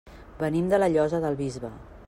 Venim de la Llosa del Bisbe.